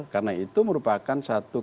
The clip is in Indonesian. karena itu merupakan satu